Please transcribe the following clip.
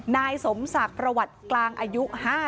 นายสมศักดิ์ประวัติกลางอายุ๕๐